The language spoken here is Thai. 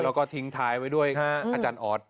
แล้วก็ทิ้งท้ายไว้ด้วยอาจารย์ออส